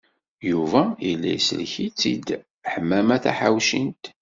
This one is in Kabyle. Yuba yella teslek-it-id Ḥemmama Taḥawcint.